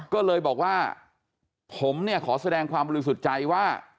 ก็เลยบอกว่าผมเนี่ยขอแสดงความบริสุทธิ์ใจว่า